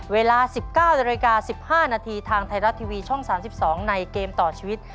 เวลา๑๙๑๕นทางไทยรัฐทีวีช่อง๓๒ในเกมต่อชีวิต